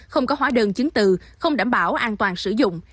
không có hóa đơn chứng từ không đảm bảo an toàn sử dụng